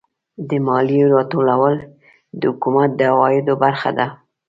د مالیې راټولول د حکومت د عوایدو برخه ده.